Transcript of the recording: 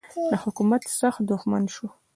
د حکومت سخت دښمن سو.